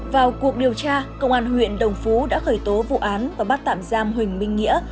vào cuộc điều tra công an huyện đồng phú đã khởi tố vụ án và bắt tạm giam huỳnh minh nghĩa